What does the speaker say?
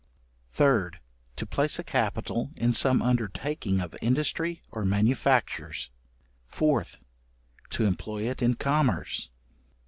3d. To place a capital in some undertaking of industry or manufactures. 4th. To employ it in commerce.